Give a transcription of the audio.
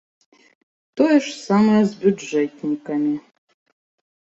Тое ж самае з бюджэтнікамі.